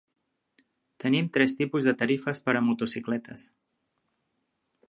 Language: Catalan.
Tenim tres tipus de tarifes per a motocicletes.